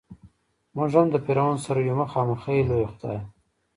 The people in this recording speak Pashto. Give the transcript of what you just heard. مونږ هم فرعون سره یو مخامخ ای لویه خدایه.